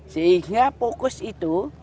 sehingga fokus itu